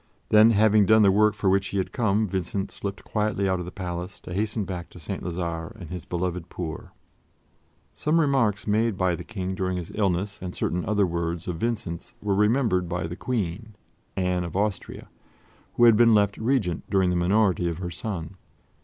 Then, having done the work for which he had come, Vincent slipped quietly out of the palace to hasten back to St. Lazare and his beloved poor. Some remarks made by the King during his illness and certain other words of Vincent's were remembered by the Queen, Anne of Austria, who had been left Regent during the minority of her son.